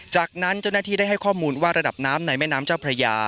จากนั้นเจ้าหน้าที่ได้ให้ข้อมูลว่าระดับน้ำในแม่น้ำเจ้าพระยา